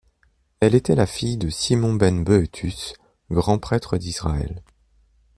Elle était la fille de Simon ben Boethus, Grand prêtre d'Israël.